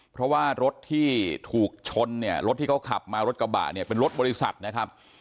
เพราะว่ารถที่ถูกชนเนี่ยรถที่เขาขับมารถกระบะเนี่ยเป็นรถบริษัทนะครับ